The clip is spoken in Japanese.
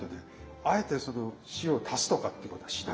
あえてその塩を足すとかっていうことはしない。